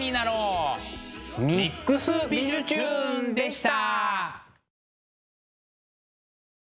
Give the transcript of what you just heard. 「ＭＩＸびじゅチューン！」でした。